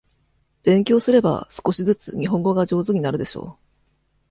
勉強すれば、少しずつ日本語が上手になるでしょう。